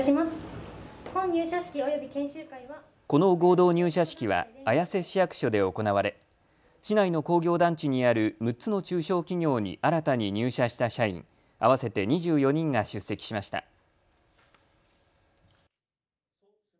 この合同入社式は綾瀬市役所で行われ市内の工業団地にある６つの中小企業に新たに入社した社員合わせて２４人が出席しました。